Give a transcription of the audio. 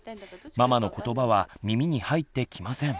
ママのことばは耳に入ってきません。